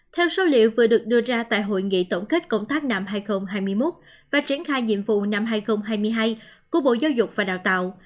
theo số liệu vừa được đưa ra tại hội nghị tổng kết công tác năm hai nghìn hai mươi một và triển khai nhiệm vụ năm hai nghìn hai mươi hai của bộ giáo dục và đào tạo